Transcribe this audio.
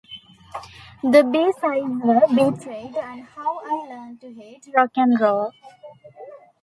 The B-sides were "Betrayed" and "How I Learned to Hate Rock 'n' Roll".